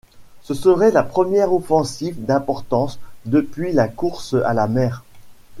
Ce serait la première offensive d'importance depuis la Course à la mer.